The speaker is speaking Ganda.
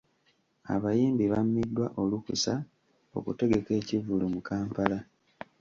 Abayimbi bammiddwa olukusa okutegeka ekivvulu mu Kampala.